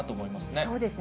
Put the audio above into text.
そうですね。